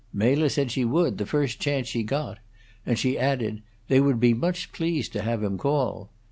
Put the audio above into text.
Mela said she would, the first chance she got; and she added, They would be much pleased to have him call.